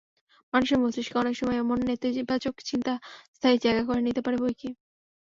মানুষের মস্তিষ্কে অনেক সময় এমন নেতিবাচক চিন্তা স্থায়ী জায়গা করে নিতে পারে বৈকি।